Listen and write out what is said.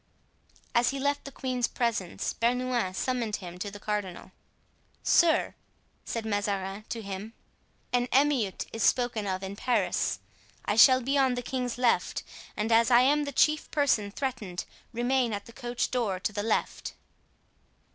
As he left the queen's presence Bernouin summoned him to the cardinal. "Sir," said Mazarin to him "an emeute is spoken of in Paris. I shall be on the king's left and as I am the chief person threatened, remain at the coach door to the left."